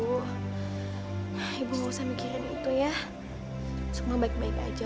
kamu harus menanggung beban yang berat